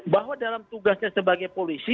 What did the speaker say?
bahwa dalam tugasnya sebagai polisi